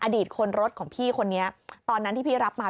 อดีตคนรถของพี่คนนี้ตอนนั้นที่พี่รับมา